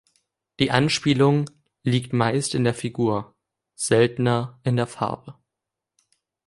Die Anspielung liegt meist in der Figur, seltener in der Farbe.